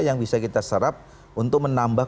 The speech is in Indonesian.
yang bisa kita serap untuk menambah